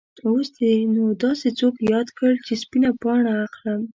اوس دې نو داسې څوک یاد کړ چې سپینه پاڼه اخلم.